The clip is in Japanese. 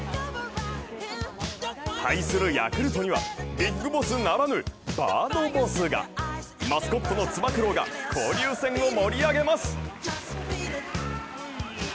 対するヤクルトにはＢＩＧＢＯＳＳならぬ、バードボスがマスコットのつば九郎が、交流戦を盛り上げます。